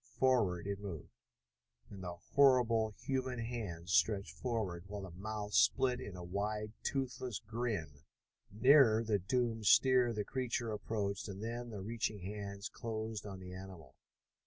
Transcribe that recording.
Forward it moved, and the horrible human hands stretched forward, while the mouth split in a wide, toothless grin. Nearer the doomed steer the creature approached, and then the reaching hands closed on the animal.